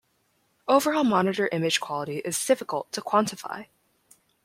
Overall monitor image quality is difficult to quantify.